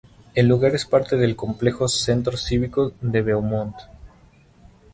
El lugar es parte del Complejo Centro Cívico de Beaumont.